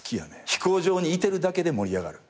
飛行場にいてるだけで盛り上がる。